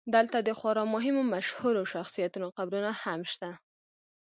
دلته د خورا مهمو مشهورو شخصیتونو قبرونه هم شته.